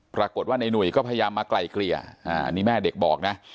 ปรากฏว่าในหนุ่ยก็พยายามมาไกลเกลี่ยอันนี้แม่เด็กบอกนะ